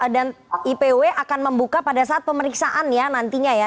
dan ipw akan membuka pada saat pemeriksaan ya nantinya ya